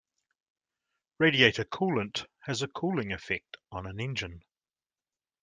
Radiator coolant has a cooling effect on an Engine.